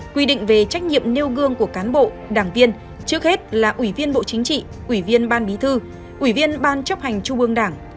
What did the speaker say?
quy định về trách nhiệm nêu gương của cán bộ đảng viên trước hết là ủy viên bộ chính trị ủy viên ban bí thư ủy viên ban chấp hành trung ương đảng